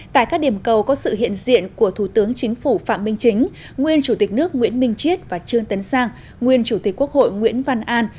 tại các điểm cầu có sự hiện diện của thủ tướng chính phủ phạm minh chính nguyên chủ tịch nước nguyễn minh chiết và trương tấn sang nguyên chủ tịch quốc hội nguyễn văn an